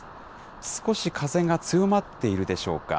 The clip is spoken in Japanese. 少し風が強まっているでしょうか。